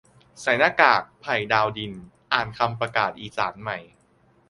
ใส่หน้ากาก "ไผ่ ดาวดิน" อ่านคำประกาศอีสานใหม่